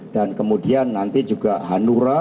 dan kemudian nanti juga hanura